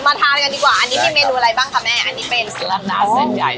ทานกันดีกว่าอันนี้มีเมนูอะไรบ้างคะแม่อันนี้เป็นลำดับเส้นใหญ่